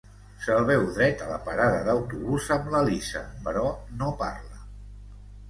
Se'l veu dret a la parada d'autobús amb la Lisa, però no parla.,